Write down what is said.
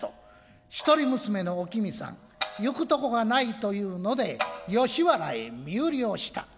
一人娘のおきみさん行くとこがないというので吉原へ身売りをした。